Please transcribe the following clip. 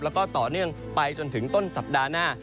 แล้วก็ต่อเนื่องไปจนถึงต้นสัปดาห์หน้า